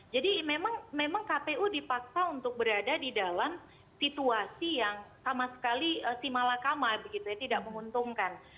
jadi memang kpu dipaksa untuk berada di dalam situasi yang sama sekali simalakama tidak menguntungkan